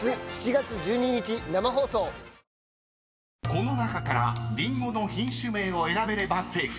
［この中からりんごの品種名を選べればセーフ］